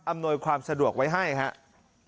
ความสะดวกไว้ให้ครับ